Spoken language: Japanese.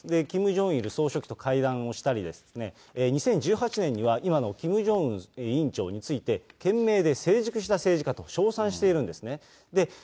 キム・ジョンイル総書記と会談をしたりですね、２０１８年には、今のキム・ジョンウン委員長について、賢明で成熟した政治家と称賛しているんですね。